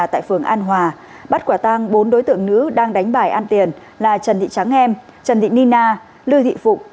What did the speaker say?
tại phường an hòa bắt quả tang bốn đối tượng nữ đang đánh bài ăn tiền là trần thị trắng em trần thị nina lưu thị phụng